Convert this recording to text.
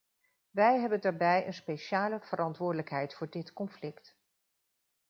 Wij hebben daarbij een speciale verantwoordelijkheid voor dit conflict.